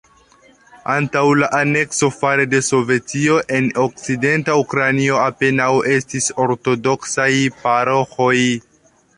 Antaŭ la anekso fare de Sovetio, en okcidenta Ukrainio apenaŭ estis ortodoksaj paroĥoj.